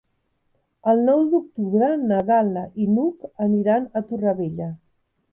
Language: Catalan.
El nou d'octubre na Gal·la i n'Hug aniran a Torrevella.